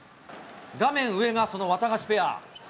画面上がそのワタガシペア。